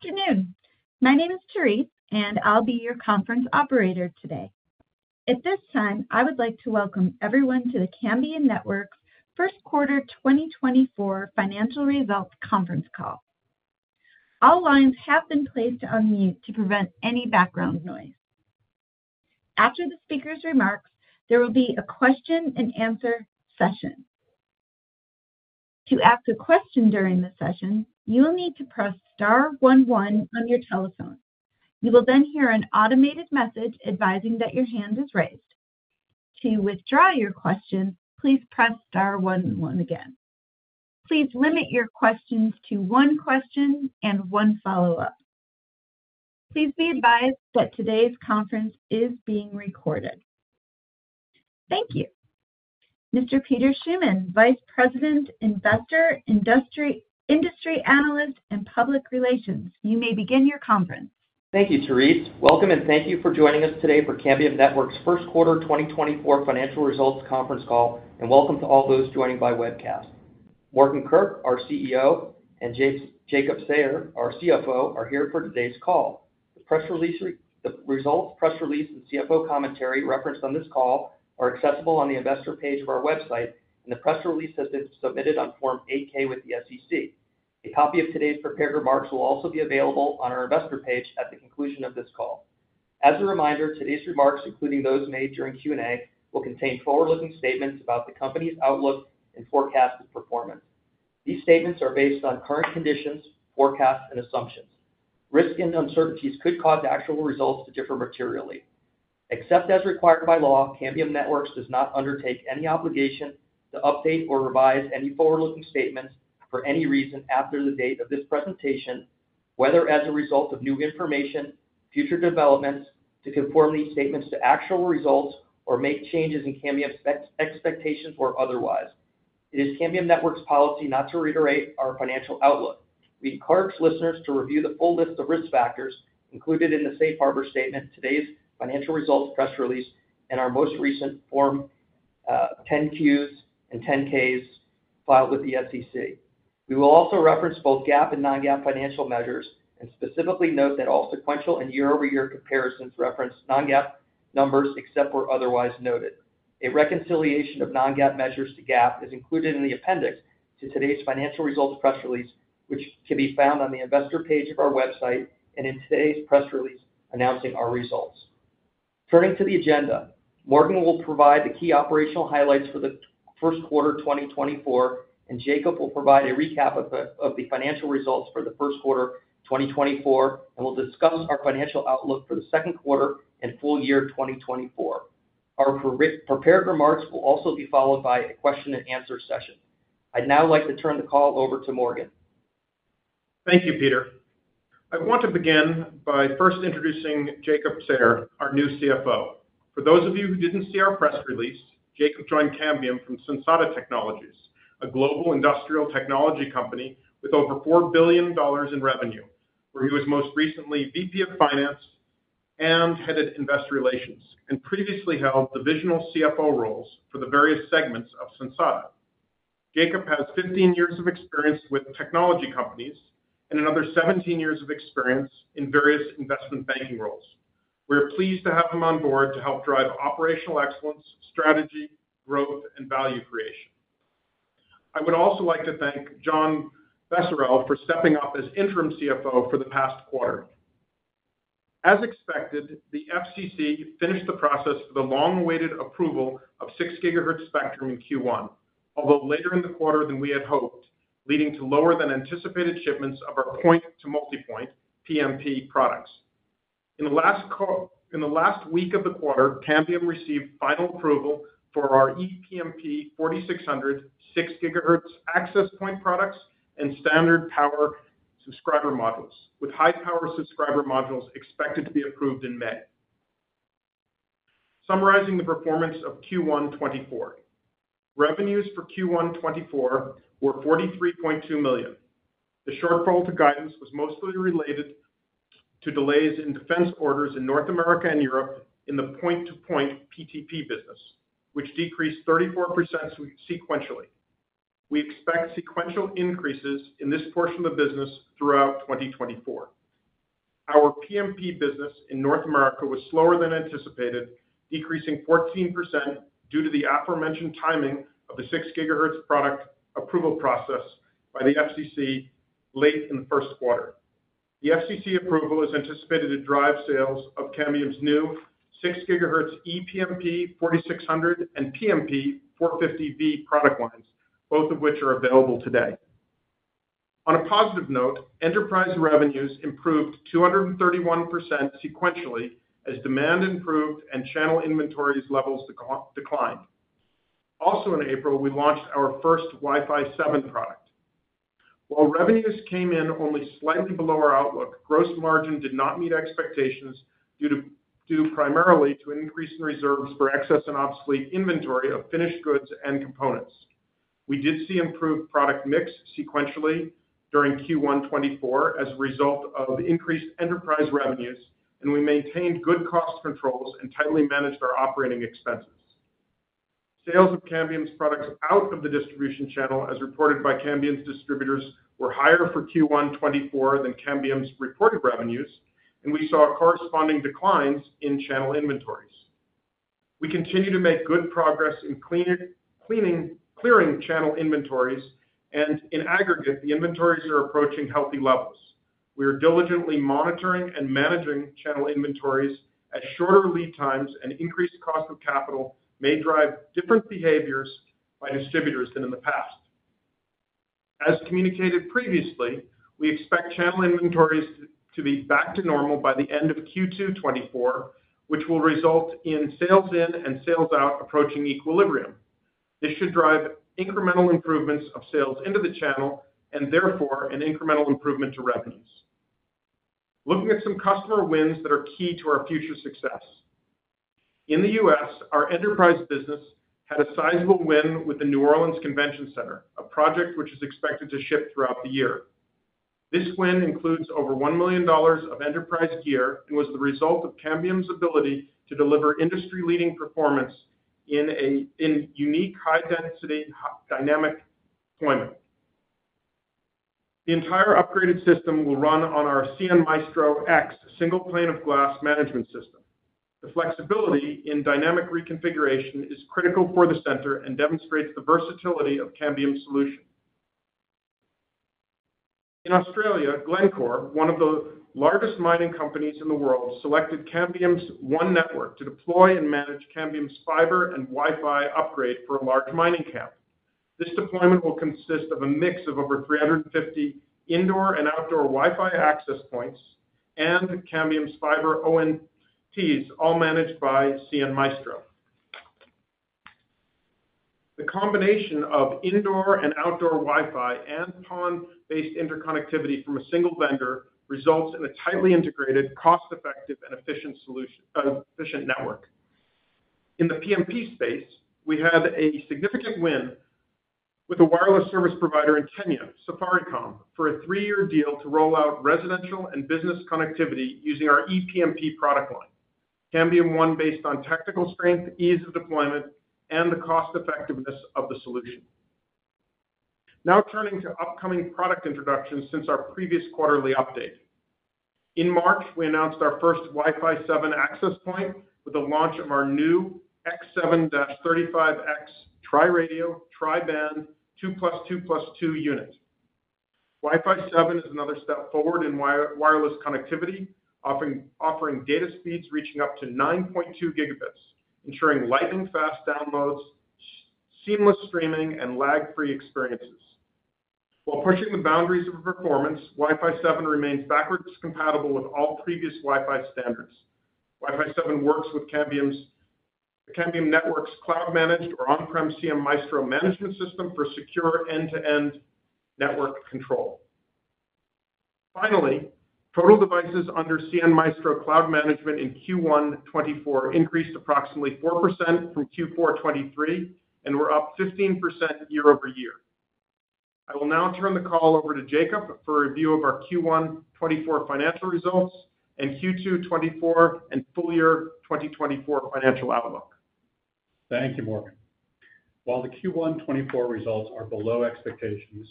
Good afternoon. My name is Therese, and I'll be your conference operator today. At this time, I would like to welcome everyone to the Cambium Networks First Quarter 2024 Financial Results Conference Call. All lines have been placed on mute to prevent any background noise. After the speaker's remarks, there will be a question-and-answer session. To ask a question during the session, you will need to press *11 on your telephone. You will then hear an automated message advising that your hand is raised. To withdraw your question, please press *11 again. Please limit your questions to one question and one follow-up. Please be advised that today's conference is being recorded. Thank you. Mr. Peter Schuman, Vice President, Investor, Industry Analyst, and Public Relations, you may begin your conference. Thank you, Therese. Welcome, and thank you for joining us today for Cambium Networks First Quarter 2024 Financial Results Conference Call, and welcome to all those joining by webcast. Morgan Kurk, our CEO, and Jacob Sayer, our CFO, are here for today's call. The press release and CFO commentary referenced on this call are accessible on the investor page of our website, and the press release has been submitted on Form 8-K with the SEC. A copy of today's prepared remarks will also be available on our investor page at the conclusion of this call. As a reminder, today's remarks, including those made during Q&A, will contain forward-looking statements about the company's outlook and forecasted performance. These statements are based on current conditions, forecasts, and assumptions. Risks and uncertainties could cause actual results to differ materially. Except as required by law, Cambium Networks does not undertake any obligation to update or revise any forward-looking statements for any reason after the date of this presentation, whether as a result of new information, future developments, to conform these statements to actual results, or make changes in Cambium's expectations or otherwise. It is Cambium Networks' policy not to reiterate our financial outlook. We encourage listeners to review the full list of risk factors included in the Safe Harbor Statement, today's financial results press release, and our most recent Form 10-Qs and 10-Ks filed with the SEC. We will also reference both GAAP and non-GAAP financial measures and specifically note that all sequential and year-over-year comparisons reference non-GAAP numbers except where otherwise noted. A reconciliation of non-GAAP measures to GAAP is included in the appendix to today's financial results press release, which can be found on the investor page of our website and in today's press release announcing our results. Turning to the agenda, Morgan will provide the key operational highlights for the first quarter 2024, and Jacob will provide a recap of the financial results for the first quarter 2024, and we'll discuss our financial outlook for the second quarter and full year 2024. Our prepared remarks will also be followed by a question-and-answer session. I'd now like to turn the call over to Morgan. Thank you, Peter. I want to begin by first introducing Jacob Sayer, our new CFO. For those of you who didn't see our press release, Jacob joined Cambium from Sensata Technologies, a global industrial technology company with over $4 billion in revenue, where he was most recently VP of Finance and headed Investor Relations, and previously held divisional CFO roles for the various segments of Sensata. Jacob has 15 years of experience with technology companies and another 17 years of experience in various investment banking roles. We are pleased to have him on board to help drive operational excellence, strategy, growth, and value creation. I would also like to thank John Becerril for stepping up as interim CFO for the past quarter. As expected, the FCC finished the process for the long-awaited approval of 6 gigahertz spectrum in Q1, although later in the quarter than we had hoped, leading to lower-than-anticipated shipments of our point-to-multipoint (PMP) products. In the last week of the quarter, Cambium received final approval for our ePMP 4600 6 gigahertz access point products and standard power subscriber modules, with high-power subscriber modules expected to be approved in May. Summarizing the performance of Q1 2024: Revenues for Q1 2024 were $43.2 million. The shortfall to guidance was mostly related to delays in defense orders in North America and Europe in the point-to-point (PTP) business, which decreased 34% sequentially. We expect sequential increases in this portion of the business throughout 2024. Our PMP business in North America was slower than anticipated, decreasing 14% due to the aforementioned timing of the 6 GHz product approval process by the FCC late in the first quarter. The FCC approval is anticipated to drive sales of Cambium's new 6 GHz ePMP 4600 and PMP 450v product lines, both of which are available today. On a positive note, enterprise revenues improved 231% sequentially as demand improved and channel inventory levels declined. Also in April, we launched our first Wi-Fi 7 product. While revenues came in only slightly below our outlook, gross margin did not meet expectations primarily due to an increase in reserves for excess and obsolete inventory of finished goods and components. We did see improved product mix sequentially during Q1 2024 as a result of increased enterprise revenues, and we maintained good cost controls and tightly managed our operating expenses. Sales of Cambium's products out of the distribution channel, as reported by Cambium's distributors, were higher for Q1 2024 than Cambium's reported revenues, and we saw corresponding declines in channel inventories. We continue to make good progress in clearing channel inventories, and in aggregate, the inventories are approaching healthy levels. We are diligently monitoring and managing channel inventories as shorter lead times and increased cost of capital may drive different behaviors by distributors than in the past. As communicated previously, we expect channel inventories to be back to normal by the end of Q2 2024, which will result in sales-in and sales-out approaching equilibrium. This should drive incremental improvements of sales into the channel and, therefore, an incremental improvement to revenues. Looking at some customer wins that are key to our future success: In the US, our enterprise business had a sizable win with the New Orleans Convention Center, a project which is expected to ship throughout the year. This win includes over $1 million of enterprise gear and was the result of Cambium's ability to deliver industry-leading performance in unique, high-density, dynamic deployment. The entire upgraded system will run on our cnMaestro X single pane of glass management system. The flexibility in dynamic reconfiguration is critical for the center and demonstrates the versatility of Cambium's solution. In Australia, Glencore, one of the largest mining companies in the world, selected Cambium's ONE Network to deploy and manage Cambium's fiber and Wi-Fi upgrade for a large mining camp. This deployment will consist of a mix of over 350 indoor and outdoor Wi-Fi access points and Cambium's fiber ONTs, all managed by cnMaestro. The combination of indoor and outdoor Wi-Fi and PON-based interconnectivity from a single vendor results in a tightly integrated, cost-effective, and efficient network. In the PMP space, we had a significant win with a wireless service provider in Kenya, Safaricom, for a three-year deal to roll out residential and business connectivity using our ePMP product line, Cambium ONE based on tactical strength, ease of deployment, and the cost-effectiveness of the solution. Now turning to upcoming product introductions since our previous quarterly update: In March, we announced our first Wi-Fi 7 access point with the launch of our new X7-35X tri-radio, tri-band, 2+2+2 unit. Wi-Fi 7 is another step forward in wireless connectivity, offering data speeds reaching up to 9.2 gigabits, ensuring lightning-fast downloads, seamless streaming, and lag-free experiences. While pushing the boundaries of performance, Wi-Fi 7 remains backwards compatible with all previous Wi-Fi standards. Wi-Fi 7 works with Cambium Networks' cloud-managed or on-prem cnMaestro management system for secure end-to-end network control. Finally, total devices under cnMaestro cloud management in Q1 2024 increased approximately 4% from Q4 2023 and were up 15% year-over-year. I will now turn the call over to Jacob for a review of our Q1 2024 financial results and Q2 2024 and full year 2024 financial outlook. Thank you, Morgan. While the Q1 2024 results are below expectations,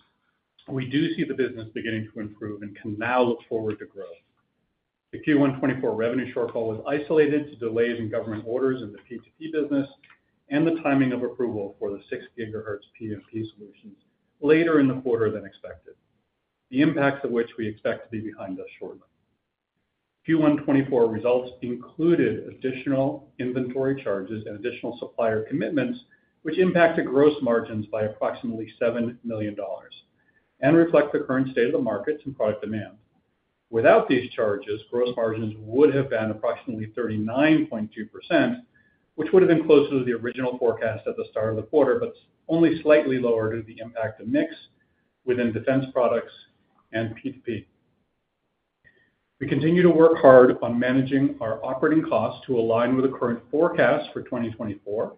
we do see the business beginning to improve and can now look forward to growth. The Q1 2024 revenue shortfall was isolated to delays in government orders in the P2P business and the timing of approval for the 6 GHz PMP solutions later in the quarter than expected, the impacts of which we expect to be behind us shortly. Q1 2024 results included additional inventory charges and additional supplier commitments, which impacted gross margins by approximately $7 million and reflect the current state of the markets and product demand. Without these charges, gross margins would have been approximately 39.2%, which would have been closer to the original forecast at the start of the quarter but only slightly lower due to the impact of mix within defense products and P2P. We continue to work hard on managing our operating costs to align with the current forecast for 2024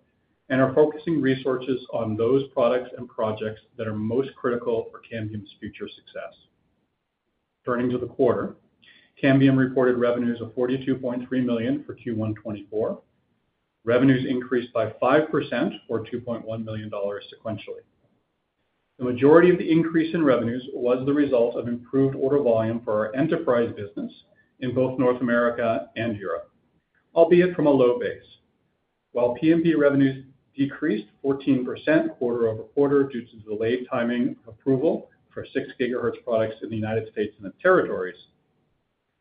and are focusing resources on those products and projects that are most critical for Cambium's future success. Turning to the quarter, Cambium reported revenues of $42.3 million for Q1 2024. Revenues increased by 5% or $2.1 million sequentially. The majority of the increase in revenues was the result of improved order volume for our enterprise business in both North America and Europe, albeit from a low base. While PMP revenues decreased 14% quarter-over-quarter due to the delayed timing of approval for 6 GHz products in the United States and the territories,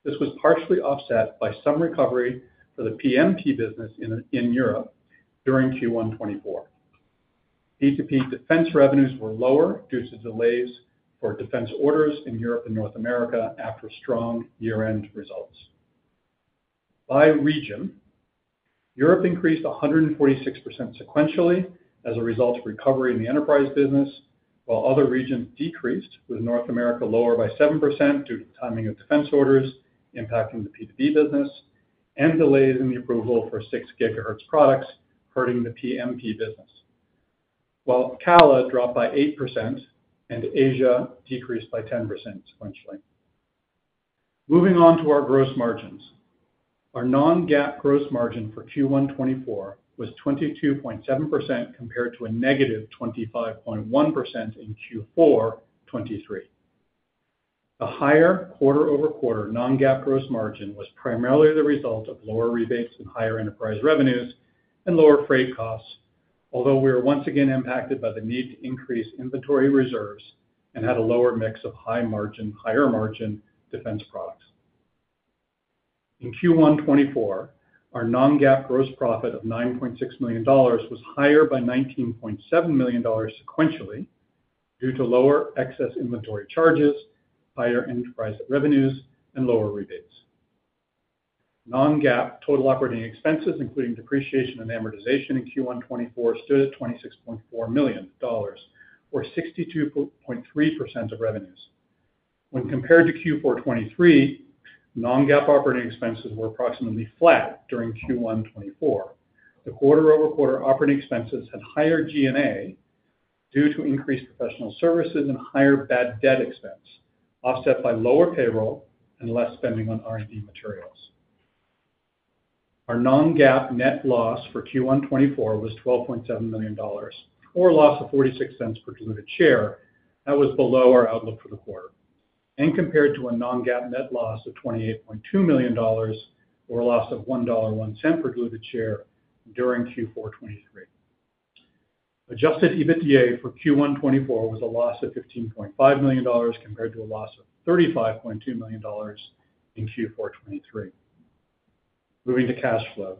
this was partially offset by some recovery for the PMP business in Europe during Q1 2024. P2P defense revenues were lower due to delays for defense orders in Europe and North America after strong year-end results. By region, Europe increased 146% sequentially as a result of recovery in the enterprise business, while other regions decreased, with North America lower by 7% due to the timing of defense orders impacting the P2P business and delays in the approval for 6 gigahertz products hurting the PMP business, while CALA dropped by 8% and Asia decreased by 10% sequentially. Moving on to our gross margins: Our non-GAAP gross margin for Q1 2024 was 22.7% compared to a negative 25.1% in Q4 2023. The higher quarter-over-quarter non-GAAP gross margin was primarily the result of lower rebates and higher enterprise revenues and lower freight costs, although we were once again impacted by the need to increase inventory reserves and had a lower mix of high-margin, higher-margin defense products. In Q1 2024, our non-GAAP gross profit of $9.6 million was higher by $19.7 million sequentially due to lower excess inventory charges, higher enterprise revenues, and lower rebates. Non-GAAP total operating expenses, including depreciation and amortization in Q1 2024, stood at $26.4 million, or 62.3% of revenues. When compared to Q4 2023, non-GAAP operating expenses were approximately flat during Q1 2024. The quarter-over-quarter operating expenses had higher G&A due to increased professional services and higher bad debt expense, offset by lower payroll and less spending on R&D materials. Our non-GAAP net loss for Q1 2024 was $12.7 million, or a loss of $0.46 per diluted share that was below our outlook for the quarter and compared to a non-GAAP net loss of $28.2 million, or a loss of $1.01 per diluted share during Q4 2023. Adjusted EBITDA for Q1 2024 was a loss of $15.5 million compared to a loss of $35.2 million in Q4 2023. Moving to cash flow: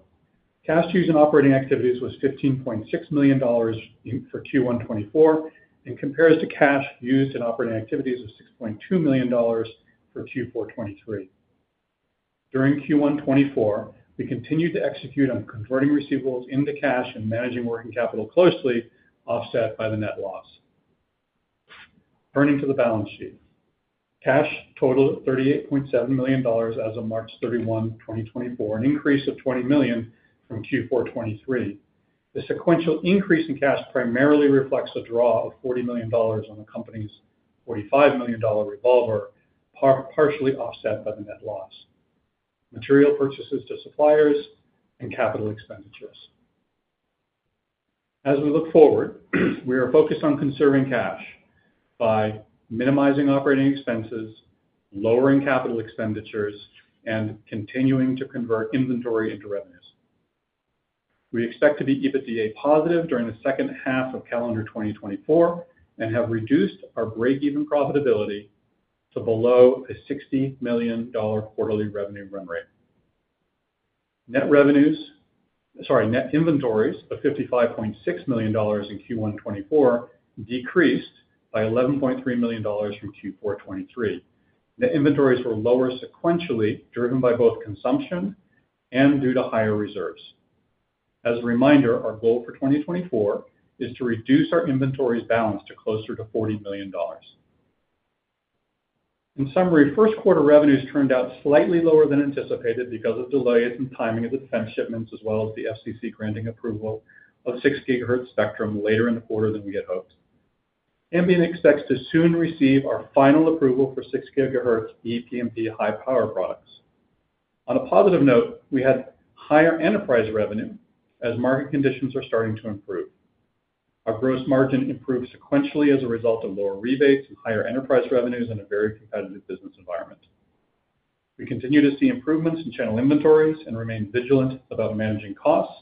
Cash used in operating activities was $15.6 million for Q1 2024 and compares to cash used in operating activities of $6.2 million for Q4 2023. During Q1 2024, we continued to execute on converting receivables into cash and managing working capital closely, offset by the net loss. Turning to the balance sheet: Cash totaled $38.7 million as of March 31, 2024, an increase of $20 million from Q4 2023. This sequential increase in cash primarily reflects a draw of $40 million on the company's $45 million revolver, partially offset by the net loss: material purchases to suppliers and capital expenditures. As we look forward, we are focused on conserving cash by minimizing operating expenses, lowering capital expenditures, and continuing to convert inventory into revenues. We expect to be EBITDA positive during the second half of calendar 2024 and have reduced our break-even profitability to below a $60 million quarterly revenue run rate. Net revenues, sorry, net inventories of $55.6 million in Q1 2024 decreased by $11.3 million from Q4 2023. Net inventories were lower sequentially, driven by both consumption and due to higher reserves. As a reminder, our goal for 2024 is to reduce our inventories balance to closer to $40 million. In summary, first quarter revenues turned out slightly lower than anticipated because of delays in timing of the defense shipments as well as the FCC granting approval of 6 gigahertz spectrum later in the quarter than we had hoped. Cambium expects to soon receive our final approval for 6 gigahertz ePMP high-power products. On a positive note, we had higher enterprise revenue as market conditions are starting to improve. Our gross margin improved sequentially as a result of lower rebates and higher enterprise revenues in a very competitive business environment. We continue to see improvements in channel inventories and remain vigilant about managing costs,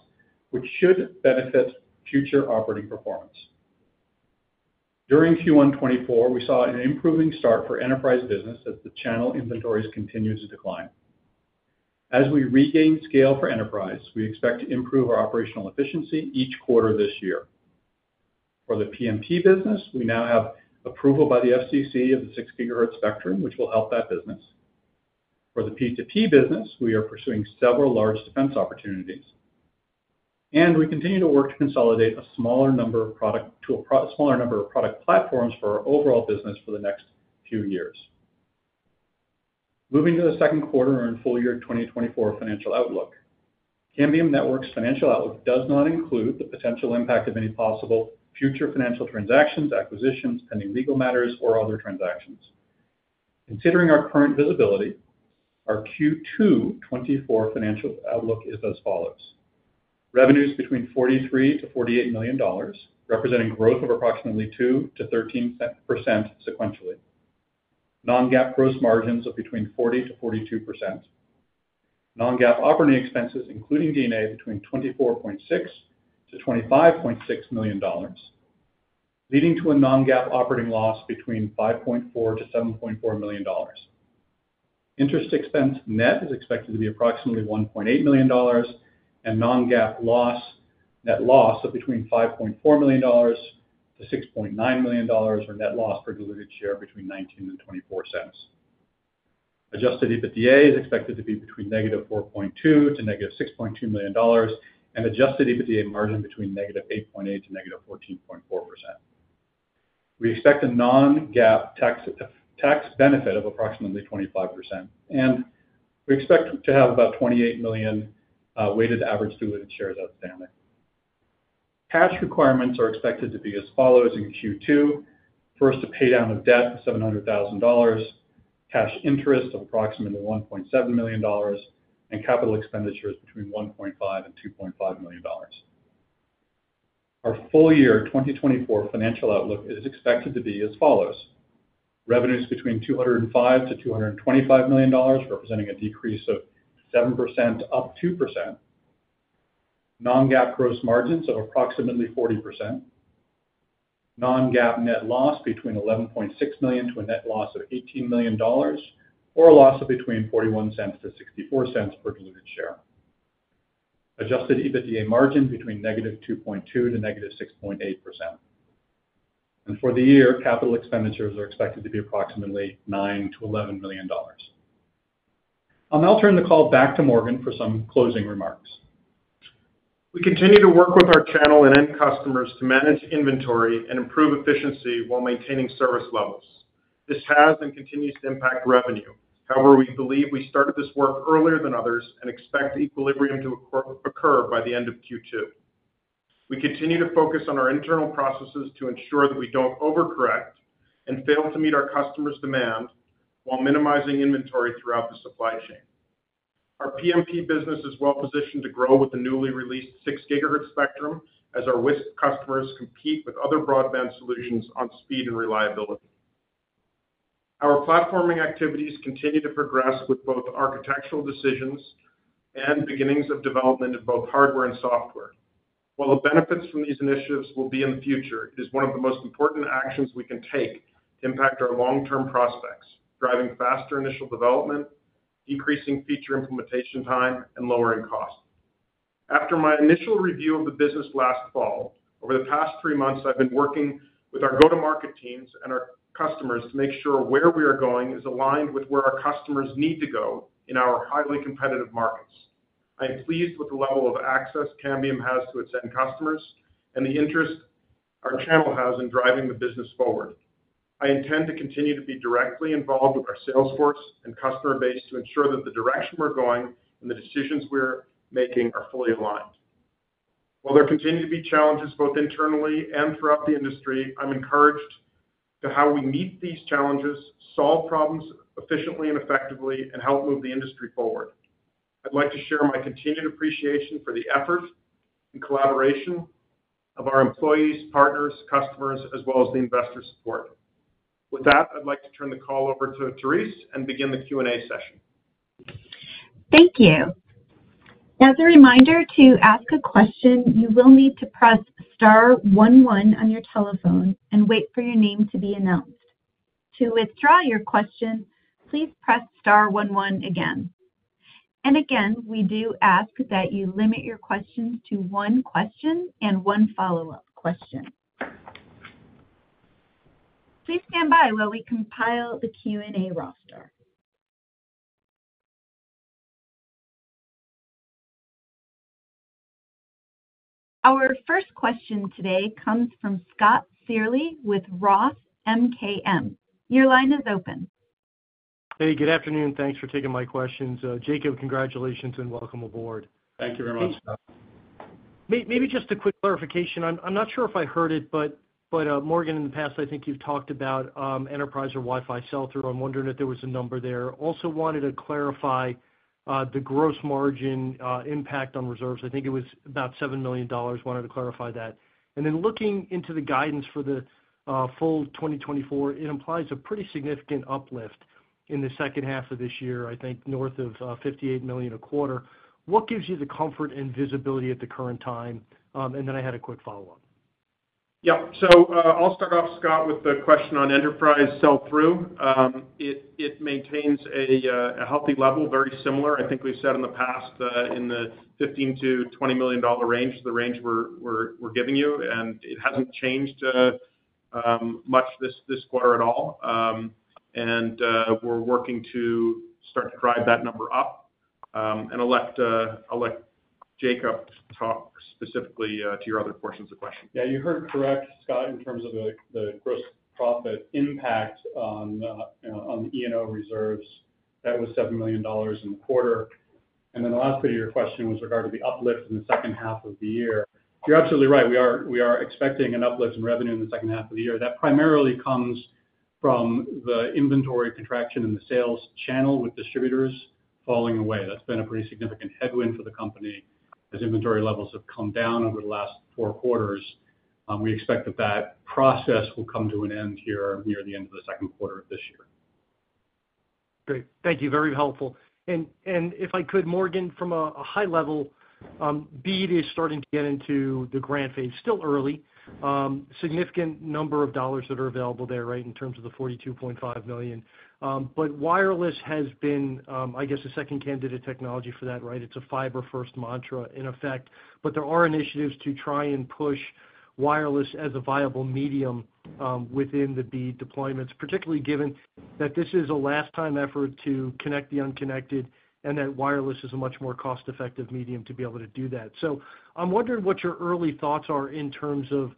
which should benefit future operating performance. During Q1 2024, we saw an improving start for enterprise business as the channel inventories continued to decline. As we regain scale for enterprise, we expect to improve our operational efficiency each quarter this year. For the PMP business, we now have approval by the FCC of the 6 GHz spectrum, which will help that business. For the P2P business, we are pursuing several large defense opportunities. We continue to work to consolidate a smaller number of product to a smaller number of product platforms for our overall business for the next few years. Moving to the second quarter and full year 2024 financial outlook: Cambium Networks' financial outlook does not include the potential impact of any possible future financial transactions, acquisitions, pending legal matters, or other transactions. Considering our current visibility, our Q2 2024 financial outlook is as follows: Revenue between $43-$48 million, representing growth of approximately 2%-13% sequentially. Non-GAAP gross margins of between 40%-42%. Non-GAAP operating expenses, including D&A, between $24.6-$25.6 million, leading to a non-GAAP operating loss between $5.4-$7.4 million. Interest expense net is expected to be approximately $1.8 million, and non-GAAP net loss of between $5.4-$6.9 million, or net loss per diluted share between $0.19 and $0.24. Adjusted EBITDA is expected to be between -$4.2 million to -$6.2 million, and adjusted EBITDA margin between -8.8% to -14.4%. We expect a non-GAAP tax benefit of approximately 25%, and we expect to have about 28 million weighted average diluted shares outstanding. Cash requirements are expected to be as follows in Q2: First, a paydown of debt of $700,000, cash interest of approximately $1.7 million, and capital expenditures between $1.5-$2.5 million. Our full year 2024 financial outlook is expected to be as follows: Revenues between $205-$225 million, representing a decrease of 7% up 2%; non-GAAP gross margins of approximately 40%; non-GAAP net loss between $11.6 million to a net loss of $18 million, or a loss of between $0.41-$0.64 per diluted share; Adjusted EBITDA margin between -2.2% to -6.8%. For the year, capital expenditures are expected to be approximately $9-$11 million. I'll now turn the call back to Morgan for some closing remarks. We continue to work with our channel and end customers to manage inventory and improve efficiency while maintaining service levels. This has and continues to impact revenue. However, we believe we started this work earlier than others and expect equilibrium to occur by the end of Q2. We continue to focus on our internal processes to ensure that we don't overcorrect and fail to meet our customers' demand while minimizing inventory throughout the supply chain. Our PMP business is well positioned to grow with the newly released 6 gigahertz spectrum as our WISP customers compete with other broadband solutions on speed and reliability. Our platforming activities continue to progress with both architectural decisions and beginnings of development of both hardware and software. While the benefits from these initiatives will be in the future, it is one of the most important actions we can take to impact our long-term prospects, driving faster initial development, decreasing feature implementation time, and lowering costs. After my initial review of the business last fall, over the past three months, I've been working with our go-to-market teams and our customers to make sure where we are going is aligned with where our customers need to go in our highly competitive markets. I am pleased with the level of access Cambium has to its end customers and the interest our channel has in driving the business forward. I intend to continue to be directly involved with our salesforce and customer base to ensure that the direction we're going and the decisions we're making are fully aligned. While there continue to be challenges both internally and throughout the industry, I'm encouraged to how we meet these challenges, solve problems efficiently and effectively, and help move the industry forward. I'd like to share my continued appreciation for the effort and collaboration of our employees, partners, customers, as well as the investor support. With that, I'd like to turn the call over to Therese and begin the Q&A session. Thank you. Now, as a reminder to ask a question, you will need to press star 11 on your telephone and wait for your name to be announced. To withdraw your question, please press star 11 again. And again, we do ask that you limit your questions to one question and one follow-up question. Please stand by while we compile the Q&A roster. Our first question today comes from Scott Searle with Roth MKM. Your line is open. Hey, good afternoon. Thanks for taking my questions. Jacob, congratulations and welcome aboard. Thank you very much, Scott. Maybe just a quick clarification. I'm not sure if I heard it, but Morgan, in the past, I think you've talked about Enterprise or Wi-Fi Sell-through. I'm wondering if there was a number there. Also wanted to clarify the gross margin impact on reserves. I think it was about $7 million. Wanted to clarify that. And then looking into the guidance for the full 2024, it implies a pretty significant uplift in the second half of this year, I think north of $58 million a quarter. What gives you the comfort and visibility at the current time? And then I had a quick follow-up. Yep. So I'll start off, Scott, with the question on Enterprise Sell-through. It maintains a healthy level, very similar. I think we've said in the past in the $15 million-$20 million range, the range we're giving you, and it hasn't changed much this quarter at all. And we're working to start to drive that number up. And I'll let Jacob talk specifically to your other portions of the question. Yeah, you heard correct, Scott, in terms of the gross profit impact on the E&O reserves. That was $7 million in the quarter. And then the last bit of your question was regarding the uplift in the second half of the year. You're absolutely right. We are expecting an uplift in revenue in the second half of the year. That primarily comes from the inventory contraction and the sales channel with distributors falling away. That's been a pretty significant headwind for the company as inventory levels have come down over the last four quarters. We expect that that process will come to an end here near the end of the second quarter of this year. Great. Thank you. Very helpful. And if I could, Morgan, from a high level, BEAD is starting to get into the grant phase. Still early. Significant number of dollars that are available there, right, in terms of the $42.5 million. But wireless has been, I guess, a second candidate technology for that, right? It's a fiber-first mantra, in effect. But there are initiatives to try and push wireless as a viable medium within the BEAD deployments, particularly given that this is a last-time effort to connect the unconnected and that wireless is a much more cost-effective medium to be able to do that. So I'm wondering what your early thoughts are in terms of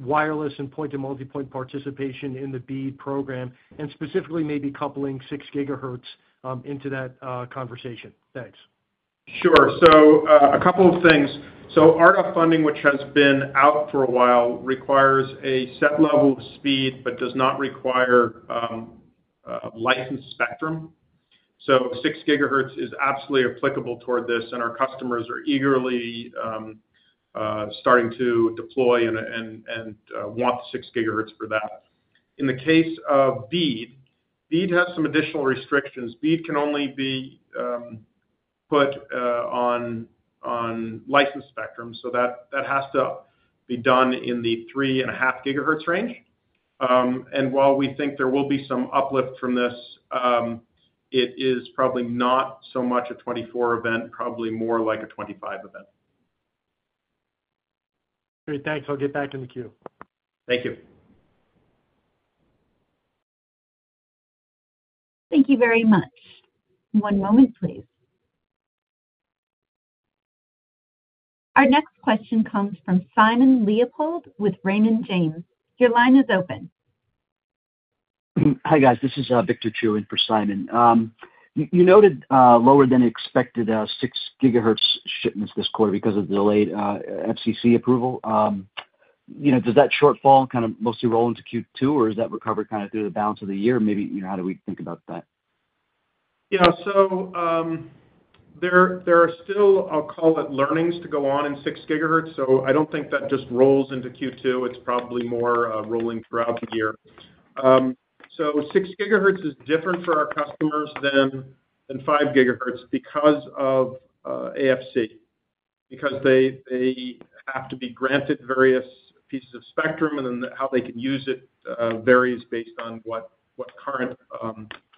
wireless and point-to-multipoint participation in the BEAD program, and specifically maybe coupling 6 gigahertz into that conversation. Thanks. Sure. So a couple of things. So ARDA funding, which has been out for a while, requires a set level of speed but does not require licensed spectrum. So 6 GHz is absolutely applicable toward this, and our customers are eagerly starting to deploy and want the 6 GHz for that. In the case of BEAD, BEAD has some additional restrictions. BEAD can only be put on licensed spectrum, so that has to be done in the 3.5 GHz range. And while we think there will be some uplift from this, it is probably not so much a 2024 event, probably more like a 2025 event. Great. Thanks. I'll get back in the queue. Thank you. Thank you very much. One moment, please. Our next question comes from Simon Leopold with Raymond James. Your line is open. Hi, guys. This is Victor Chiu for Simon. You noted lower than expected 6 gigahertz shipments this quarter because of the delayed FCC approval. Does that shortfall kind of mostly roll into Q2, or is that recovered kind of through the balance of the year? Maybe how do we think about that? Yeah. So there are still, I'll call it, learnings to go on in 6 gigahertz. So I don't think that just rolls into Q2. It's probably more rolling throughout the year. So 6 gigahertz is different for our customers than 5 gigahertz because of AFC, because they have to be granted various pieces of spectrum, and then how they can use it varies based on what current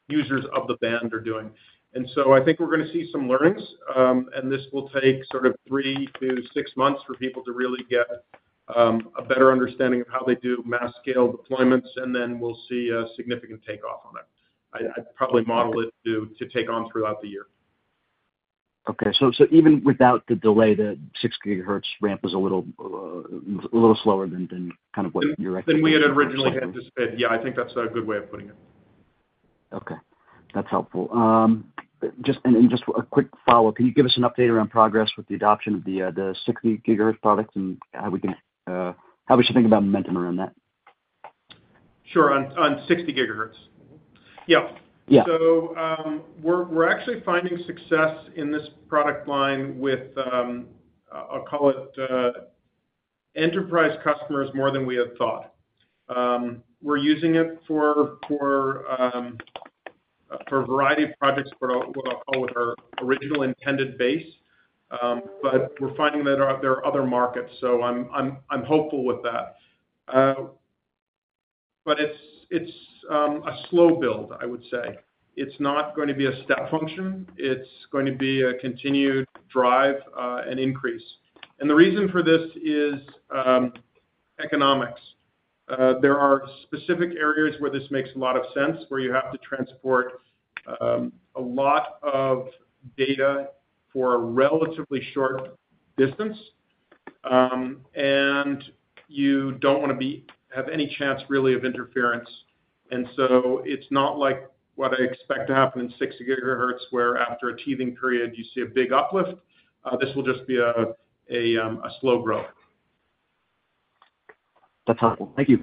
users of the band are doing. And so I think we're going to see some learnings, and this will take sort of 3-6 months for people to really get a better understanding of how they do mass-scale deployments, and then we'll see a significant takeoff on it. I'd probably model it to take on throughout the year. Okay. So even without the delay, the 6 gigahertz ramp is a little slower than kind of what you're expecting? Then we had originally had to spend. Yeah, I think that's a good way of putting it. Okay. That's helpful. Just a quick follow-up, can you give us an update around progress with the adoption of the 60 GHz product and how we should think about momentum around that? Sure. On 60 gigahertz? Yeah. So we're actually finding success in this product line with, I'll call it, enterprise customers more than we had thought. We're using it for a variety of projects, what I'll call, with our original intended base, but we're finding that there are other markets, so I'm hopeful with that. But it's a slow build, I would say. It's not going to be a step function. It's going to be a continued drive and increase. And the reason for this is economics. There are specific areas where this makes a lot of sense, where you have to transport a lot of data for a relatively short distance, and you don't want to have any chance, really, of interference. And so it's not like what I expect to happen in 60 gigahertz, where after a teething period, you see a big uplift. This will just be a slow growth. That's helpful. Thank you.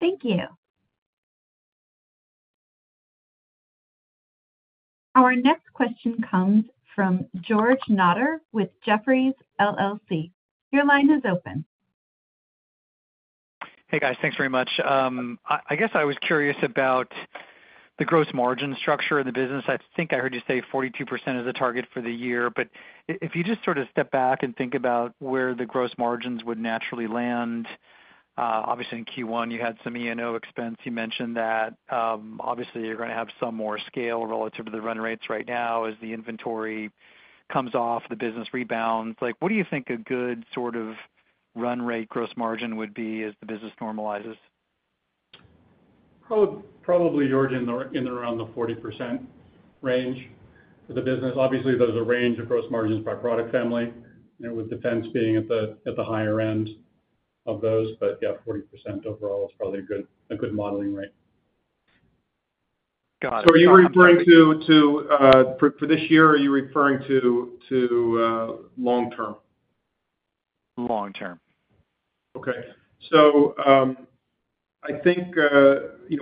Thank you. Our next question comes from George Notter with Jefferies, LLC. Your line is open. Hey, guys. Thanks very much. I guess I was curious about the gross margin structure in the business. I think I heard you say 42% is the target for the year. But if you just sort of step back and think about where the gross margins would naturally land, obviously, in Q1, you had some E&O expense. You mentioned that. Obviously, you're going to have some more scale relative to the run rates right now as the inventory comes off, the business rebounds. What do you think a good sort of run rate gross margin would be as the business normalizes? Probably, George, in and around the 40% range for the business. Obviously, there's a range of gross margins by product family, with defense being at the higher end of those. But yeah, 40% overall is probably a good modeling rate. Got it. So, are you referring to for this year? Are you referring to long-term? Long-term. Okay. So I think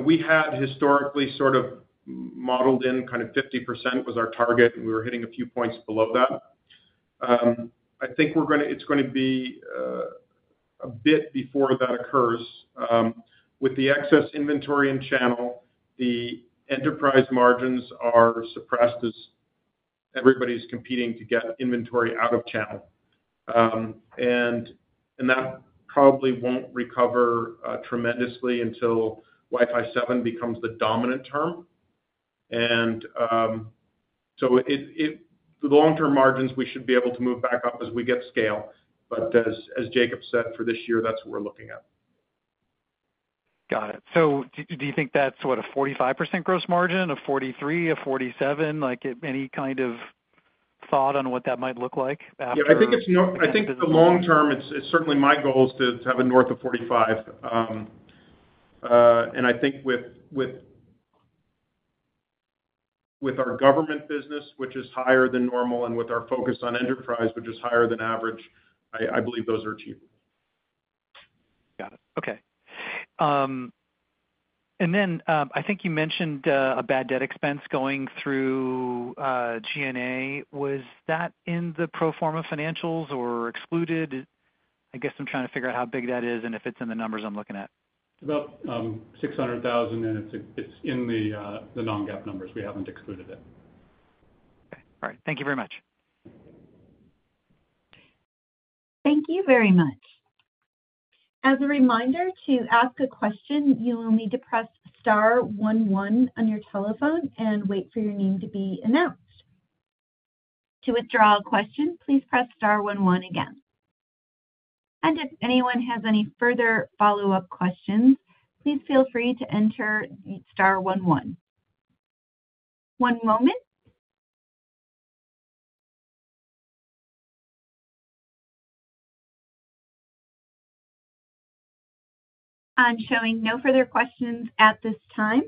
we had historically sort of modeled in kind of 50% was our target, and we were hitting a few points below that. I think it's going to be a bit before that occurs. With the excess inventory in channel, the enterprise margins are suppressed as everybody's competing to get inventory out of channel. And that probably won't recover tremendously until Wi-Fi 7 becomes the dominant term. And so the long-term margins, we should be able to move back up as we get scale. But as Jacob said, for this year, that's what we're looking at. Got it. So do you think that's, what, a 45% gross margin, a 43%, a 47? Any kind of thought on what that might look like after this? Yeah. I think the long-term, it's certainly my goal is to have a north of 45. And I think with our government business, which is higher than normal, and with our focus on enterprise, which is higher than average, I believe those are achievable. Got it. Okay. And then I think you mentioned a bad debt expense going through G&A. Was that in the pro forma financials or excluded? I guess I'm trying to figure out how big that is and if it's in the numbers I'm looking at. It's about $600,000, and it's in the non-GAAP numbers. We haven't excluded it. Okay. All right. Thank you very much. Thank you very much. As a reminder to ask a question, you will need to press star 11 on your telephone and wait for your name to be announced. To withdraw a question, please press star 11 again. If anyone has any further follow-up questions, please feel free to enter star 11. One moment. I'm showing no further questions at this time.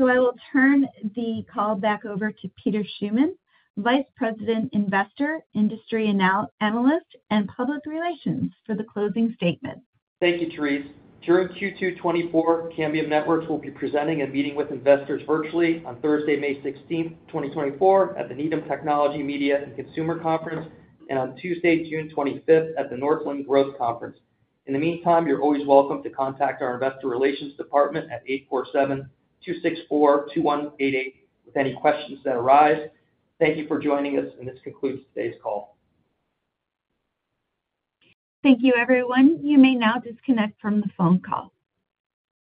I will turn the call back over to Peter Schuman, Vice President, Investor, Industry Analyst, and Public Relations, for the closing statement. Thank you, Therese. During Q2 2024, Cambium Networks will be presenting and meeting with investors virtually on Thursday, May 16th, 2024, at the Needham Technology, Media, and Consumer Conference, and on Tuesday, June 25th, at the Northland Growth Conference. In the meantime, you're always welcome to contact our Investor Relations Department at 847-264-2188 with any questions that arise. Thank you for joining us, and this concludes today's call. Thank you, everyone. You may now disconnect from the phone call.